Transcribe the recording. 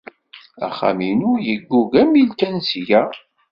Axxam-inu yeggug amil kan seg-a.